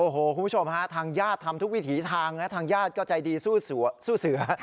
โอ้โหคุณผู้ชมฮะทางญาติทำทุกวิถีทางนะทางญาติก็ใจดีสู้เสือ